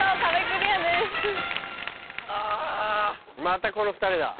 またこの２人だ。